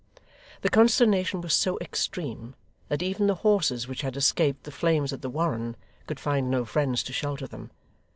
The consternation was so extreme that even the horses which had escaped the flames at the Warren, could find no friends to shelter them.